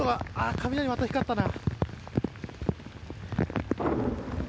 雷、また光ったな。